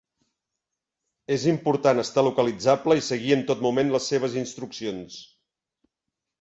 És important estar localitzable i seguir en tot moment les seves instruccions.